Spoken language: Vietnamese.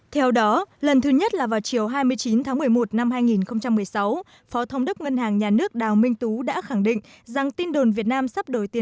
theo đó lần thứ hai là vào chiều hai mươi chín tháng một mươi một năm hai nghìn một mươi sáu phó thống đốc ngân hàng nhà nước đào minh tú đã khẳng định